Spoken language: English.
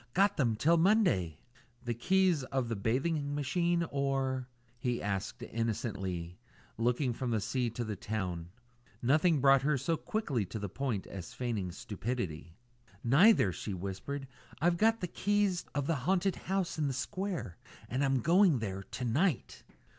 "Got them till Monday!" "The keys of the bathing machine, or ?" he asked innocently, looking from the sea to the town. Nothing brought her so quickly to the point as feigning stupidity. "Neither," she whispered. "I've got the keys of the haunted house in the square and I'm going there to night."